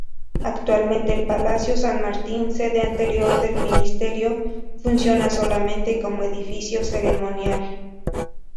Actualmente el Palacio San Martín, sede anterior del Ministerio, funciona solamente como edificio ceremonial.